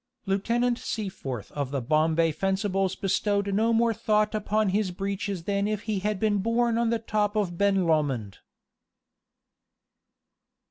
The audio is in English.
Lieutenant Seaforth of the Bombay Fencibles bestowed no more thought upon his breeches than if he had been born on the top of Ben Lomond.